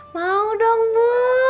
mau dong bu